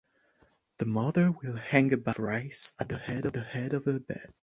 The mother will hang a bag of rice at the head of her bed.